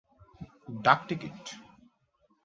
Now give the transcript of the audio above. ডাক টিকিট